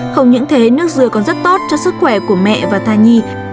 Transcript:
không những thế nước dừa còn rất tốt cho sức khỏe của mẹ và thai nhi